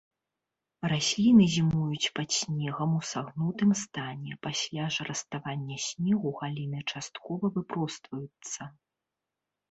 Расліны зімуюць пад снегам у сагнутым стане, пасля ж раставання снегу галіны часткова выпростваюцца.